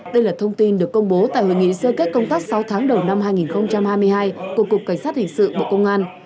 đây là thông tin được công bố tại hội nghị sơ kết công tác sáu tháng đầu năm hai nghìn hai mươi hai của cục cảnh sát hình sự bộ công an